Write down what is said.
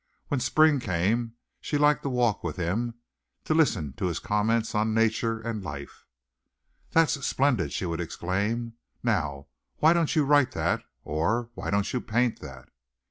When spring came she liked to walk with him, to listen to his comments on nature and life. "That's splendid!" she would exclaim. "Now, why don't you write that?" or "why don't you paint that?"